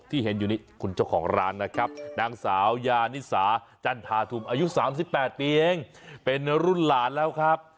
เห็นอยู่นี่คุณเจ้าของร้านนะครับนางสาวยานิสาจันทาธุมอายุ๓๘ปีเองเป็นรุ่นหลานแล้วครับ